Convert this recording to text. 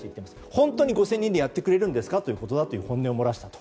本当に５０００人でやってくれるんですかという本音を漏らしたと。